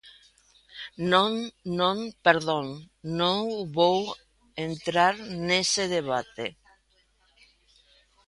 Non, non, perdón, non vou entrar nese debate.